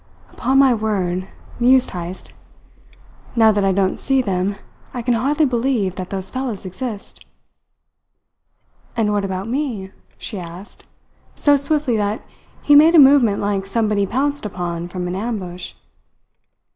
"Upon my word," mused Heyst, "now that I don't see them, I can hardly believe that those fellows exist!" "And what about me?" she asked, so swiftly that he made a movement like somebody pounced upon from an ambush.